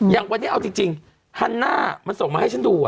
อย่างวันนี้เอาจริงฮันน่ามันส่งมาให้ฉันดู